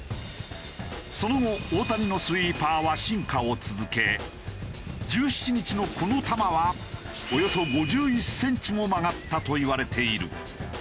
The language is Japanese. その後大谷のスイーパーは進化を続け１７日のこの球はおよそ５１センチも曲がったといわれている。